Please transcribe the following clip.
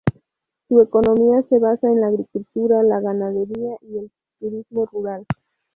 Su economía se basa en la agricultura, la ganadería y el turismo rural.